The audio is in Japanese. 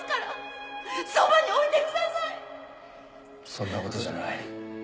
そんなことじゃない